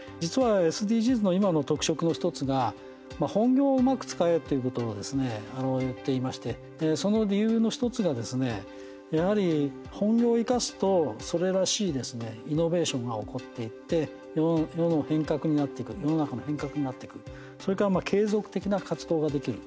実はＳＤＧｓの今の特色の１つが本業をうまく使えということを言っていましてその理由の１つがやはり本業を生かすとそれらしいイノベーションが起こっていって世の変革になっていく世の中の変革になっていくそれから継続的な活動ができる。